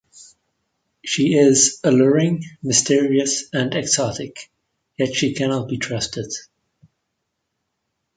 She is alluring, mysterious and exotic, yet she cannot be trusted.